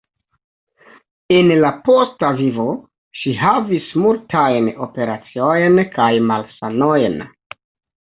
En la posta vivo ŝi havis multajn operaciojn kaj malsanojn.